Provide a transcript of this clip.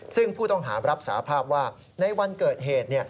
ซึ่งผู้ต้องหารับสาภาพว่าในวันเกิดเหตุ